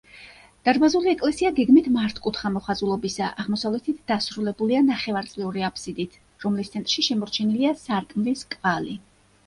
დარბაზული ეკლესია გეგმით მართკუთხა მოხაზულობისაა, აღმოსავლეთით დასრულებულია ნახევარწრიული აბსიდით, რომლის ცენტრში შემორჩენილია სარკმლის კვალი.